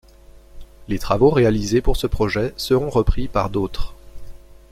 Les travaux réalisés pour ce projet seront repris par d’autres.